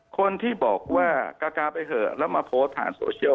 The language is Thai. คนที่บอกว่ากากาไปเถอะแล้วมาโพสต์ผ่านโซเชียล